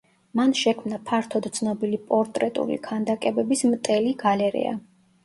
მან შექმნა ფართოდ ცნობილი პორტრეტული ქანდაკებების მტელი გალერეა.